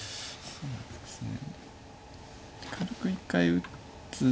そうですね。